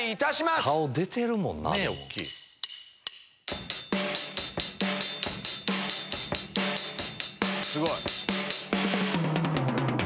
すごい！